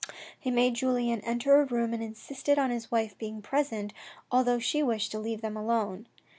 He made Julien enter a room and insisted on his wife being present, although she wished to leave them alone.